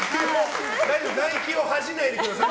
ナイキを恥じないでください。